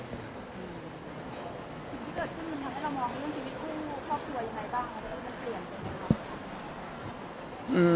ชีวิตที่เกิดขึ้นมันทำให้เรามองในชีวิตผู้พ่อครัวยังไงบ้าง